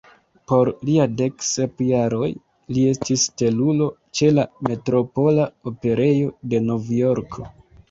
Por lia dek sep jaroj, li estis stelulo ĉe la Metropola Operejo de Novjorko.